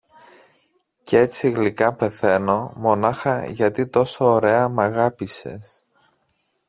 κ’ έτσι γλυκά πεθαίνω, μονάχα γιατί τόσο ωραία μ’ αγάπησες.